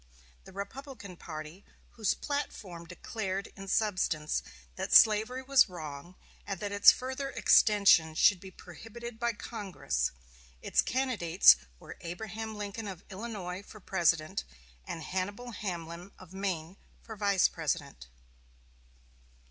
The Republican party, whose platform declared in substance that slavery was wrong, and that its further extension should be prohibited by Congress. Its candidates were Abraham Lincoln of Illinois for President and Hannibal Hamlin of Maine for Vice president.